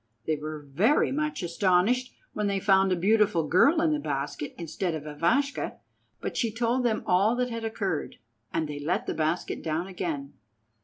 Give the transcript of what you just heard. They were very much astonished when they found a beautiful girl in the basket instead of Ivashka, but she told them all that had occurred, and they let the basket down again.